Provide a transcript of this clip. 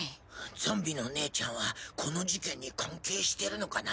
ゾンビの姉ちゃんはこの事件に関係してるのかな？